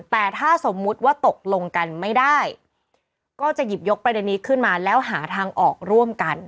แต่ถ้าสมมุติว่าตกลงกันไม่ได้ก็จะหยิบยกประเด็นนี้ขึ้นมาแล้วหาทางออกร่วมกัน